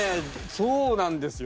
そうなんですよ。